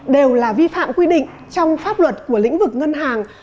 đều là vi phạm quy định trong pháp luật của lĩnh vực ngân hàng